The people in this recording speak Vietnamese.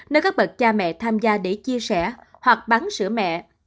nơi các bậc cha mẹ tham gia để chia sẻ hoặc bắn sữa mẹ